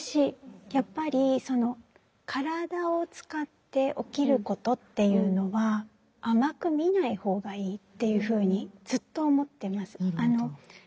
やっぱり体を使って起きることっていうのは甘く見ない方がいいっていうふうにずっと思ってます。